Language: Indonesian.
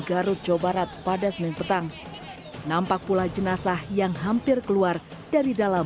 garut jawa barat pada senin petang nampak pula jenazah yang hampir keluar dari dalam